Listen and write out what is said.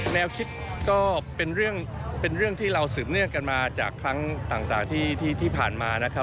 แนวคิดก็เป็นเรื่องที่เราสืบเนื่องกันมาจากครั้งต่างที่ผ่านมานะครับ